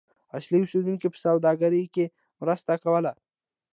اصلي اوسیدونکو په سوداګرۍ کې مرسته کوله.